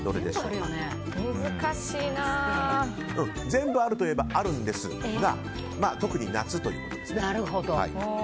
全部あるといえばあるんですが特に夏ということですね。